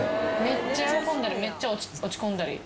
めっちゃ喜んだりめっちゃ落ち込んだり？